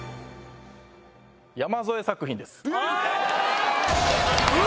山添作品です。